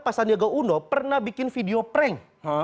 pak sandiaga uno pernah bikin video prank